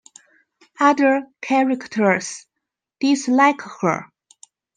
Other characters dislike her.